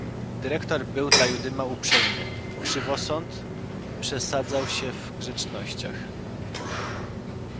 "Dyrektor był dla Judyma uprzejmy, Krzywosąd przesadzał się w grzecznościach."